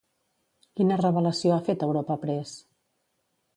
Quina revelació ha fet Europa Press?